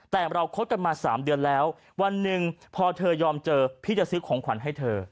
แต่เราคบกันมา๓เดือนแล้ววันหนึ่งพอเธอยอมเจอพี่จะซื้อของขวัญให้เธอ